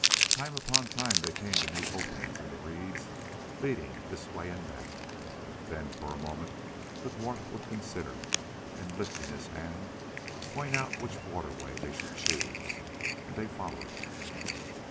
Time upon time they came to new openings in the reeds leading this way and that. Then for a moment the dwarf would consider, and, lifting his hand, point out which water way they should choose, and they followed it.